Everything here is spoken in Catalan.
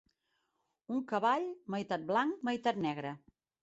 Un cavall meitat blanc, meitat negre.